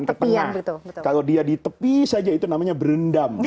tapi kalau dia di tepi saja itu namanya berendam